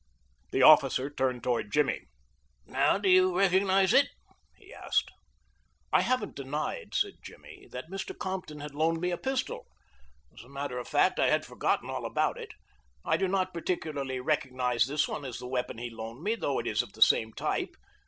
The officer turned toward Jimmy. "Now do you recognize it?" he asked. "I haven't denied," said Jimmy, "that Mr. Compton had loaned me a pistol. As a matter of fact, I had forgotten all about it. I do not particularly recognize this one as the weapon he loaned me, though it is of the same type.